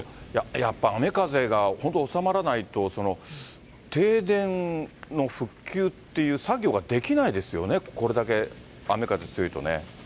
やっぱ、雨風が本当収まらないと、停電の復旧っていう作業ができないですよね、これだけ雨風強いとね。